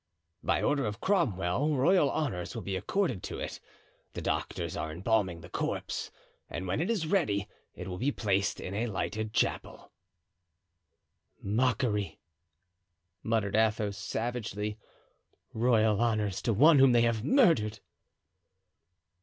"By order of Cromwell royal honors will be accorded to it. The doctors are embalming the corpse, and when it is ready it will be placed in a lighted chapel." "Mockery," muttered Athos, savagely; "royal honors to one whom they have murdered!"